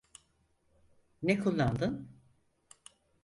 Ne kullandın?